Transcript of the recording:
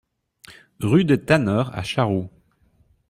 Rue des Tanneurs à Charroux